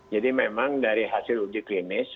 jadi memang dari hasil uji klinis